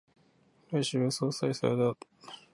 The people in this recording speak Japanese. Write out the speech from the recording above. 来週は相生祭だ